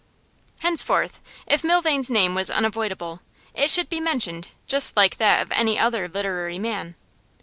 Henceforth, if Milvain's name was unavoidable, it should be mentioned just like that of any other literary man.